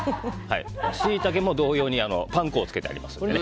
シイタケも同様にパン粉をつけてありますので。